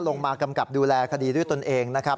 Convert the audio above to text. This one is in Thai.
มากำกับดูแลคดีด้วยตนเองนะครับ